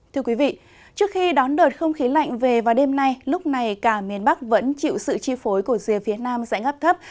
thưa quý vị trước khi đón đợt không khí lạnh về vào đêm nay lúc này cả miền bắc vẫn chịu sự chi phối của rìa phía nam dãy ngắp thấp